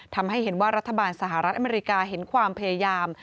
ทำให้เห็นว่ารัฐบาลสหรัฐอเมริกาเห็นความพยายาม